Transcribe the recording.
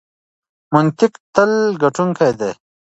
منطق تل ګټونکی دی.